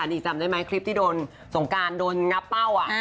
นี่จำได้ไหมคลิปที่โดนสงการโดนงับเป้า